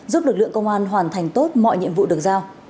giúp lực lượng công an hoàn thành tốt mọi nhiệm vụ được giao